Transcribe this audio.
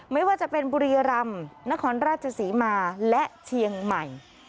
ไม่ว่าจะเป็นบุรีรำนครราชศรีมาและเชียงใหม่